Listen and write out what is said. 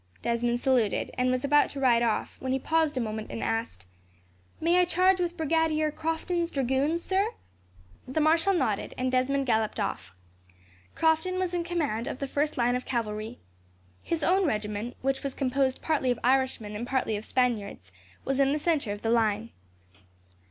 Desmond saluted, and was about to ride off, when he paused a moment and asked: "May I charge with Brigadier Crofton's dragoons, sir?" The marshal nodded, and Desmond galloped off. Crofton was in command of the first line of cavalry. His own regiment, which was composed partly of Irishmen and partly of Spaniards, was in the centre of the line.